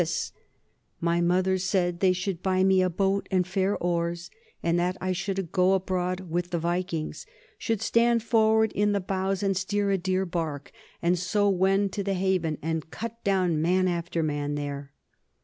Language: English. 42 NORMANS IN EUROPEAN HISTORY My mother said they should buy me a boat and fair oars, and that I should go abroad with the Vikings, should stand forward in the bows and steer a dear bark, and so wend to the haven and cut down man after man there.